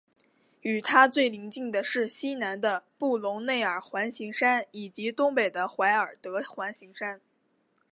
与它最邻近的是西南的布隆内尔环形山以及东北的怀尔德环形山。